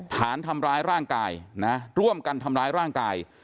ฐานทำร้ายร่างกายนะร่วมกันทำร้ายร่างกาย